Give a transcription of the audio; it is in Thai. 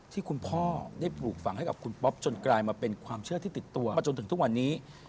ที่คุณพ่อได้ปลูกฝังให้กับคุณป๊อปจนกลายมาเป็นความเชื่อที่ติดตัวมาจนถึงทุกวันนี้